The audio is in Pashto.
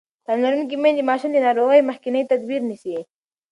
تعلیم لرونکې میندې د ماشومانو د ناروغۍ مخکینی تدبیر نیسي.